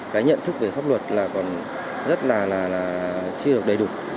cái nhận thức về pháp luật là còn rất là chưa được đầy đủ